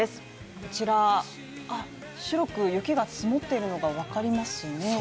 こちら白く雪が積もってるのがわかりますね